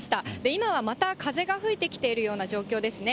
今はまた風が吹いてきているような状況ですね。